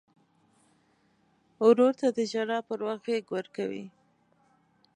ورور ته د ژړا پر وخت غېږ ورکوي.